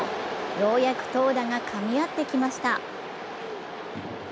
ようやく投打がかみ合ってきました。